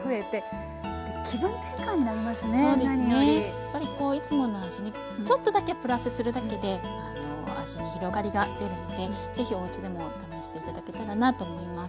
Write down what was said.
やっぱりこういつもの味にちょっとだけプラスするだけで味に広がりが出るのでぜひおうちでも試して頂けたらなと思います。